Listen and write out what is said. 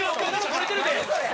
取れてる！」。